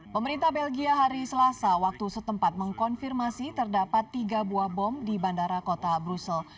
pemerintah belgia hari selasa waktu setempat mengkonfirmasi terdapat tiga buah bom di bandara kota brussel